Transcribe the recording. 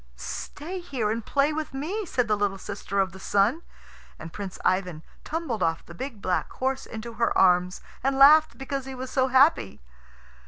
"Stay here and play with me," said the little sister of the Sun; and Prince Ivan tumbled off the big black horse into her arms, and laughed because he was so happy.